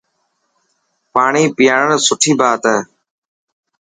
ٽاڻي پياڻڻ سٺي بات هي.